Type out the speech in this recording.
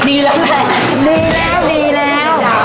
ดีแล้วดีแล้ว